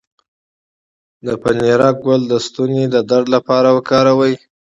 د پنیرک ګل د ستوني د درد لپاره وکاروئ